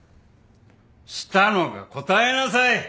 したのか答えなさい！